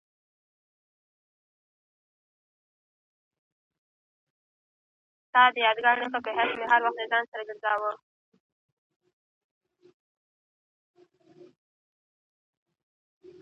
آیا انټرنیټي درسونه د حضوري درسونو په پرتله ډېر تمرکز غواړي؟